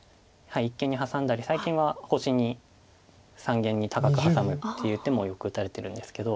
はい一間にハサんだり最近は星に三間に高くハサむっていう手もよく打たれてるんですけど。